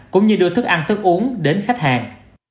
cũng như đưa thức ăn thức uống đến khách hàng